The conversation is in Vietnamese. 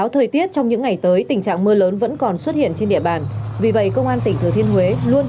tuy nhiên đến hiện tại vẫn chưa có điểm sản lở nghiêm trọng